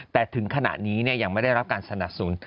แต่ถึงขณะนี้ยังไม่ได้รับการสนับสนุน